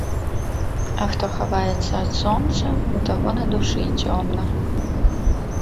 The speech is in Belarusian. А хто хаваецца ад сонца, у таго на душы цёмна.